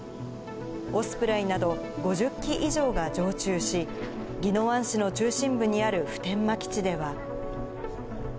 オスプレイなど５０機以上が常駐し、宜野湾市の中心部にある普天間基地では。